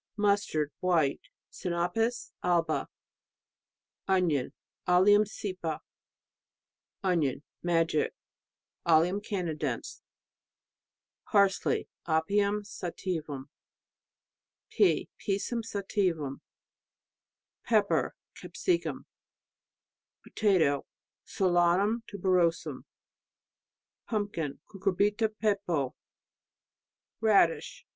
Mustard, white .. Sinapis alba. Onion Allium cepa. Onion, magic ... Allium canadense. Parsley Apium sativum. Pea Pisum sativum. Pepper Capsicum. Potatoe .... Solanum tuberosum. Pumpkin .... Cucurbita pepo. Radish ....